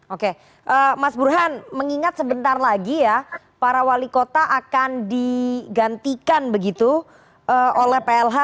oke mas burhan mengingat sebentar lagi ya para wali kota akan digantikan begitu oleh plh